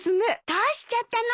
どうしちゃったの？